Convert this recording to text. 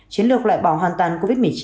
chiến lược loại bỏ hoàn toàn covid một mươi chín